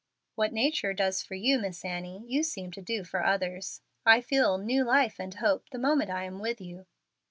"What nature does for you, Miss Annie, you seem to do for others. I feel 'new life and hope' the moment I am with you."